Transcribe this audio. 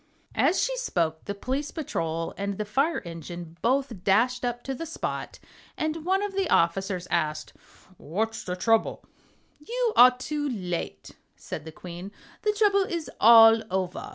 As she spoke the Police Patrol and the Fire Engine both dashed up to the spot, and one of the officers asked: "What's the trouble?" "You are too late," said the Queen; "the trouble is all over."